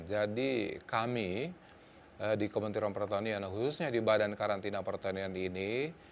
jadi kami di kementerian pertanian khususnya di badan karantina pertanian ini